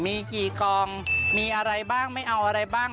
มีกี่กองมีอะไรบ้างไม่เอาอะไรบ้าง